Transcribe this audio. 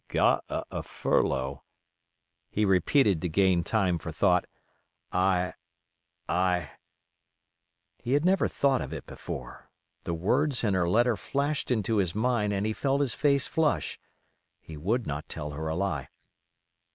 "Got a furlough?" he repeated to gain time for thought. "I—I——" He had never thought of it before; the words in her letter flashed into his mind, and he felt his face flush. He would not tell her a lie.